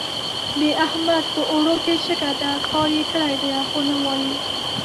د احمد په اوړو کې شګه ده؛ کار يې کړی دی خو نه وايي.